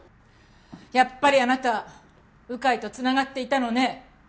やっぱりあなた鵜飼と繋がっていたのね。